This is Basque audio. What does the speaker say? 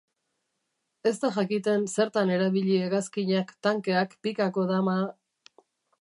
Ez da jakiten zertan erabili hegazkinak, tankeak, pikako dama...